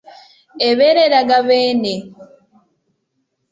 Ebeera eraga Beene.